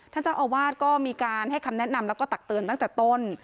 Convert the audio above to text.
ท่านเจ้าอาวาสก็มีการให้คำแนะนำแล้วก็ตักเตือนตั้งแต่ต้น